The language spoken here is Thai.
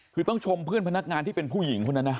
คือต้องชมเพื่อนพนักงานที่เป็นผู้หญิงคนนั้นนะ